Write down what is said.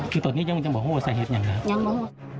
คือตอนนี้ยังบ่โหดสายเห็ดยังไงครับยังบ่โหด